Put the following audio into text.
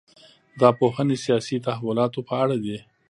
دا پوهنې سیاسي تحولاتو په اړه دي.